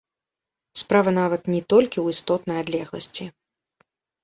Справа нават не толькі ў істотнай адлегласці.